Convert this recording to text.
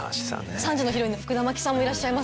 ３時のヒロインの福田麻貴さんもいらっしゃいます。